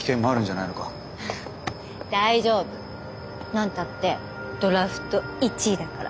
何たってドラフト１位だから。